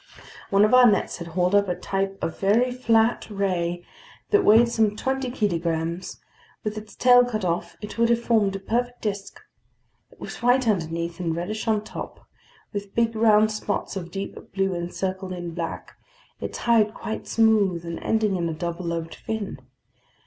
One of our nets had hauled up a type of very flat ray that weighed some twenty kilograms; with its tail cut off, it would have formed a perfect disk. It was white underneath and reddish on top, with big round spots of deep blue encircled in black, its hide quite smooth and ending in a double lobed fin.